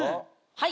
はい。